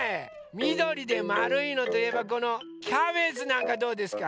みどりでまるいのといえばこのキャベツなんかどうですか？